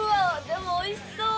でもおいしそう。